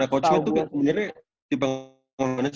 nah kosmet tuh sebenarnya tiba tiba gimana sih